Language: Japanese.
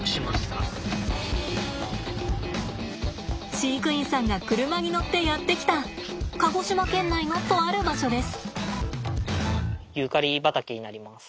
飼育員さんが車に乗ってやって来た鹿児島県内のとある場所です。